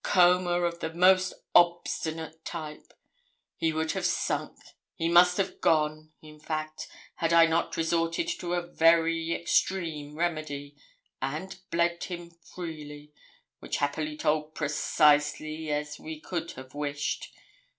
Coma of the most obstinate type. He would have sunk he must have gone, in fact, had I not resorted to a very extreme remedy, and bled him freely, which happily told precisely as we could have wished.